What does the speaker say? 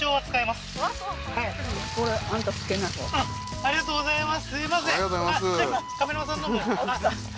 ありがとうございます